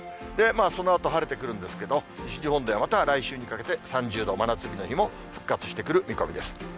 そのあと晴れてくるんですけど、西日本ではまた来週にかけて３０度、真夏日の日も復活してくる見込みです。